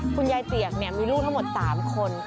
คุณยายเปียกมีลูกทั้งหมด๓คน